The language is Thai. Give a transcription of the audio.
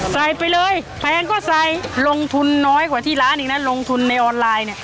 ไปเลยแพงก็ใส่ลงทุนน้อยกว่าที่ร้านอีกนะลงทุนในออนไลน์เนี่ย